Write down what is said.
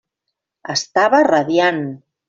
Estava radiant.